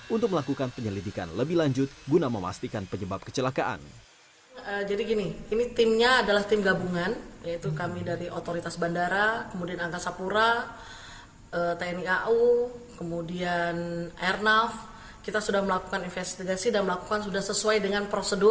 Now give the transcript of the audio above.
untuk melakukan penyelidikan lebih lanjut guna memastikan penyebab kecelakaan